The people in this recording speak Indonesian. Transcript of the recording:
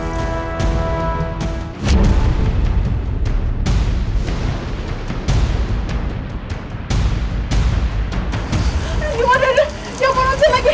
gak mau nembati lagi